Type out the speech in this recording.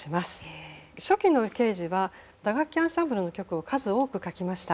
初期のケージは打楽器アンサンブルの曲を数多く書きました。